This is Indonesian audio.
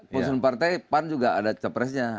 konsum partai pan juga ada capresnya